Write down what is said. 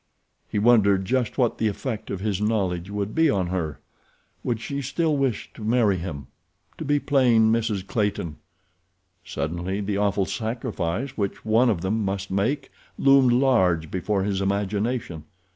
He wondered just what the effect of his knowledge would be on her. Would she still wish to marry him—to be plain Mrs. Clayton? Suddenly the awful sacrifice which one of them must make loomed large before his imagination.